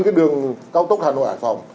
cái đường cao tốc hà nội hải phòng